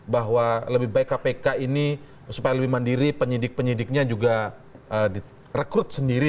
bahwa lebih baik kpk ini supaya lebih mandiri penyidik penyidiknya juga direkrut sendiri